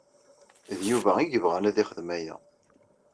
D Yuba i yebɣan ad yexdem aya.